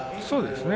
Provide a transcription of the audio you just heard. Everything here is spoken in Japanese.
そうですね